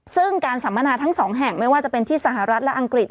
ซึ่งการสัมมนาทั้งสองแห่งไม่ว่าจะเป็นที่สหรัฐและอังกฤษ